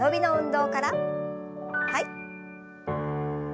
はい。